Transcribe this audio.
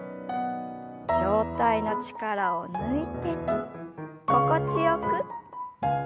上体の力を抜いて心地よく。